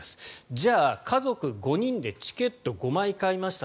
じゃあ、家族５人でチケット５枚買いました